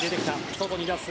外に出す。